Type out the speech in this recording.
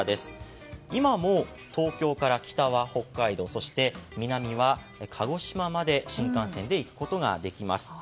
今も東京から、北は北海道そして南は鹿児島まで新幹線で行くことができます。